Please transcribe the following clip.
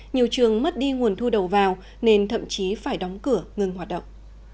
nhiều trường mất đi nguồn thu đầu vào nên thậm chí phải đóng cửa ngừng hoạt động